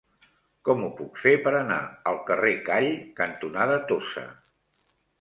Com ho puc fer per anar al carrer Call cantonada Tossa?